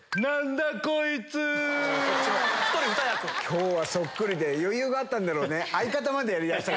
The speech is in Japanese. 今日はそっくりで余裕があったんだろうね。